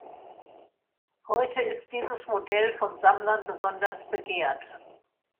Heute ist dieses Modell von Sammlern besonders begehrt.